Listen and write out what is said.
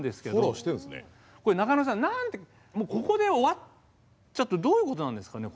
これ中野さん何でここで終わっちゃってどういうことなんですかね？